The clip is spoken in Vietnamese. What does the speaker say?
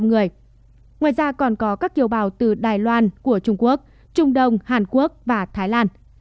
ngoài ra còn có các kiều bào từ đài loan của trung quốc trung đông hàn quốc và thái lan